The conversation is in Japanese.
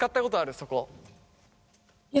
そこ。